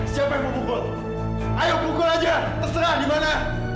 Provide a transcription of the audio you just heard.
siapa yang mau pukul ayo pukul aja terserah di mana